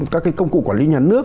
các cái công cụ quản lý nhà nước